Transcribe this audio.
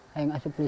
saya ingin berlalu